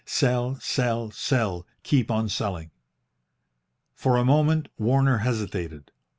Sell, sell, sell, keep on selling." For a moment Warner hesitated.